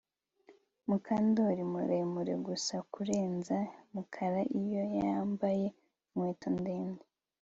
Mukandoli muremure gusa kurenza Mukara iyo yambaye inkweto ndende